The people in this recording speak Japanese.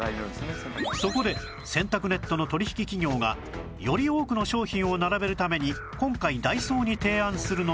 そこで洗濯ネットの取引企業がより多くの商品を並べるために今回ダイソーに提案するのが